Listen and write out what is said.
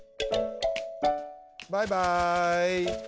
バイバイ。